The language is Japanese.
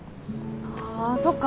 あそっか。